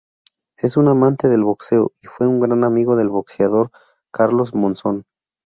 Es un amante del boxeo y fue un gran amigo del boxeador Carlos Monzón.